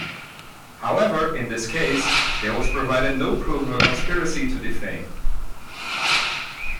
However, in this case, there was provided no proof of a conspiracy to defame.